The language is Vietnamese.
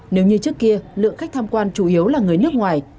nếu như trước kia lượng khách tham quan chủ yếu là người nước ngoài